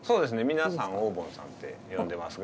皆さんおーぼんさんって呼んでますが。